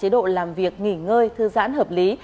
để nghỉ ngơi thư giãn hợp lý